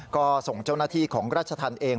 ก็ส่งเจ้าหน้าที่ของราชธรรมเอง